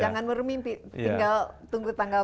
jangan murni mimpi tinggal tunggu tanggal